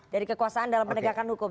jadi kekuasaan dalam pendekatan hukum